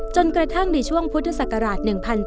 จนกระทั่งในช่วงพุทธศักราช๑๘๒๕๑๘๔๓